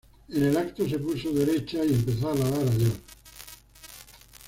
En el acto se puso derecha y empezó a alabar a Dios.